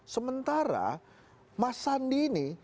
sementara mas sandi ini